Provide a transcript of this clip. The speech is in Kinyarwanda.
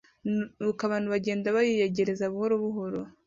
Nuko abantu bagenda bayiyegereza buhorobuhoro